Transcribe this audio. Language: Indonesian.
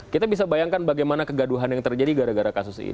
kita bisa bayangkan bagaimana kegaduhan yang terjadi gara gara kasus ini